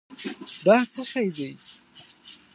دا څه شی دی؟